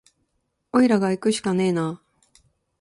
おいらがいくしかねえな